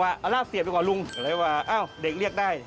แหละแนวกว่าเราก็จะทำมาเอาราปหรือเรียกได้